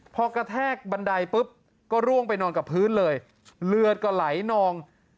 พอกระแทกบันไดปุ๊บก็ร่วงไปนอนกับพื้นเลยเลือดก็ไหลนอง